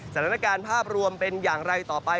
สถานการณ์ภาพรวมเป็นอย่างไรต่อไป